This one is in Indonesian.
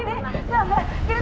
mirna ada taksi gak